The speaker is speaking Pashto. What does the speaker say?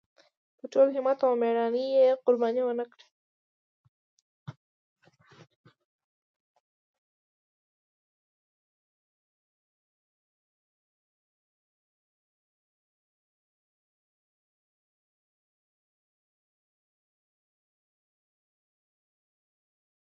يوازې دمرغۍ پۍ پکې نه وې